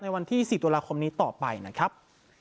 วันที่๔ตุลาคมนี้ต่อไปนะครับ